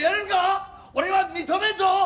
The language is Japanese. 俺は認めんぞ！